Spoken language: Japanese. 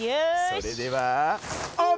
それではオープン！